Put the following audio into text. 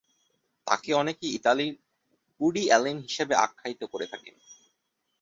তাকে অনেকে ইতালির উডি অ্যালেন হিসেবে আখ্যায়িত করে থাকেন।